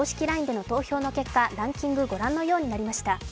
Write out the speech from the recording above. ＬＩＮＥでの投票の結果、ランキング御覧のようになりました。